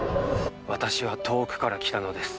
私は遠くから来たのです。